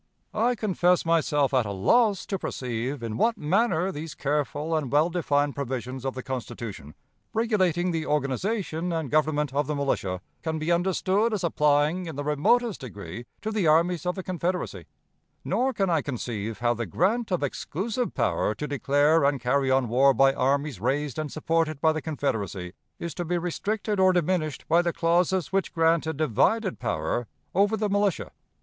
"I confess myself at a loss to perceive in what manner these careful and well defined provisions of the Constitution, regulating the organization and government of the militia, can be understood as applying in the remotest degree to the armies of the Confederacy, nor can I conceive how the grant of exclusive power to declare and carry on war by armies raised and supported by the Confederacy is to be restricted or diminished by the clauses which grant a divided power over the militia.